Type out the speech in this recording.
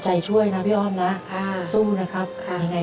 เขาสามารถที่เอาของร้านนี่ทำคิดได้